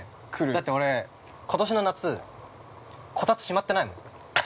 だって俺、ことしの夏こたつしまってないもん。